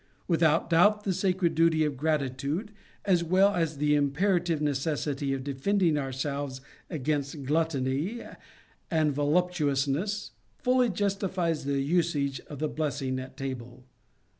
Without doubt the sacred duty of gratitude, as well as the imperative neces sity of defending ourselves against gluttony and voluptuousness fully justifies the usage of the blessing at table.